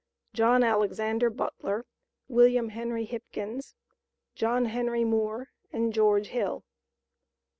JOHN ALEXANDER BUTLER, WILLIAM HENRY HIPKINS, JOHN HENRY MOORE AND GEORGE HILL.